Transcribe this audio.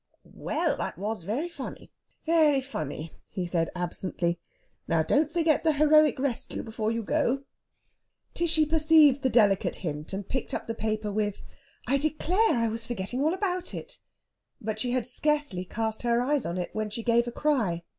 "Well, that was very funny very funny!" said he absently. "Now, don't forget the heroic rescue before you go." Tishy perceived the delicate hint, and picked up the paper with "I declare I was forgetting all about it!" But she had scarcely cast her eyes on it when she gave a cry.